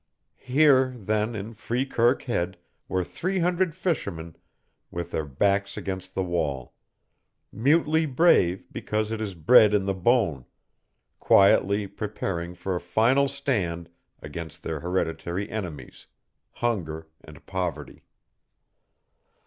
Here, then, in Freekirk Head were three hundred fishermen with their backs against the wall mutely brave because it is bred in the bone quietly preparing for a final stand against their hereditary enemies, hunger and poverty.